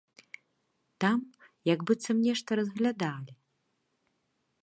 Там як быццам нешта разглядалі.